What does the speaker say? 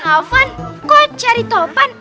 alvan kok cari tauper